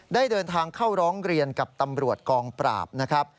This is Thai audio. ได้เดินทางเข้าร้องเรียนกับตำรวจกองปราบนะครับ